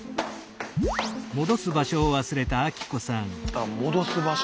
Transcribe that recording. あっ戻す場所。